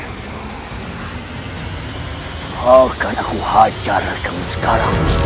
mohonkan aku hajar raka sekarang